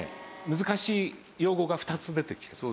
難しい用語が２つ出てきています。